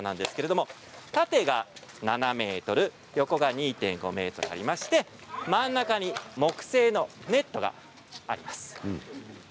縦７ｍ、横２．５ｍ真ん中に木製のネットがあります。